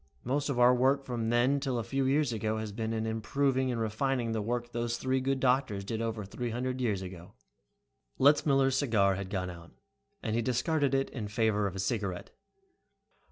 Most of our work from then till a few years ago has been in improving and refining the work those three good doctors did over three hundred years ago." Letzmiller's cigar had gone out, and he discarded it in favor of a cigarette.